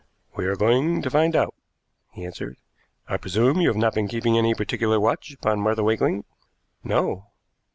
"We are going to find out," he answered. "I presume you have not been keeping any particular watch upon Martha Wakeling?" "No."